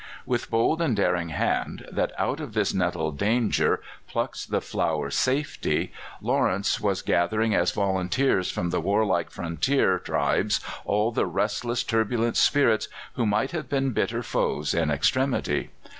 With bold and daring hand, that "out of this nettle, danger, plucks the flower safety," Lawrence was gathering as volunteers from the warlike frontier tribes all the restless, turbulent spirits who might have been bitter foes in extremity.